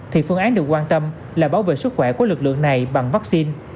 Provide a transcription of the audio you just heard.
thì phương án được quan tâm là bảo vệ sức khỏe của lực lượng này bằng vaccine